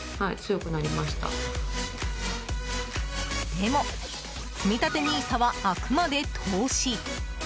でも、つみたてＮＩＳＡはあくまで投資。